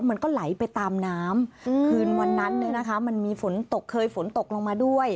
มันก็ไหลไปตามน้ำคืนวันนั้นเนี่ยนะคะมันมีฝนตกเคยฝนตกลงมาด้วย